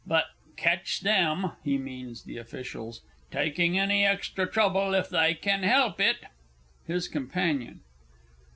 But ketch them (he means the Officials) taking any extra trouble if they can help it! HIS COMPANION.